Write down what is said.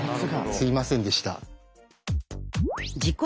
すいませんでした。